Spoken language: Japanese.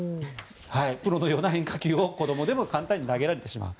プロのような変化球を子どもでも簡単に投げられてしまう。